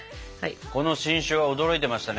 この新種は驚いてましたね。